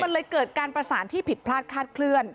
มันเลยเกิดการประสานที่ผิดพลาดคาดเคลื่อน